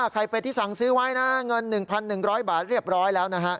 เป็ดที่สั่งซื้อไว้นะเงิน๑๑๐๐บาทเรียบร้อยแล้วนะฮะ